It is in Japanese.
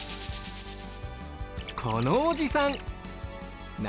このおじさん。